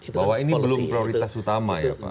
bahwa ini belum prioritas utama ya pak